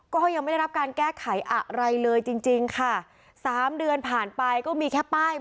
ก็ยังไม่ได้รับการแก้ไขอะไรเลยจริงจริงค่ะสามเดือนผ่านไปก็มีแค่ป้าย